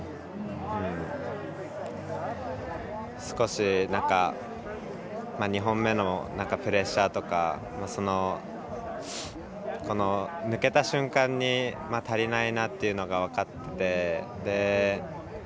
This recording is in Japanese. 少し、２本目のプレッシャーとかこの抜けた瞬間に足りないなっていうのが分かって。